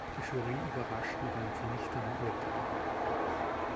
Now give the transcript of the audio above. Die Jury überrascht mit einem vernichtenden Urteil.